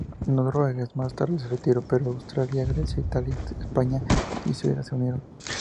Noruega más tarde se retiró, pero Austria, Grecia, Italia, España y Suiza se unieron.